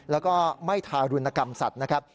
แล้วก็ไม่ทารุณกรรมสัตว์นะครับ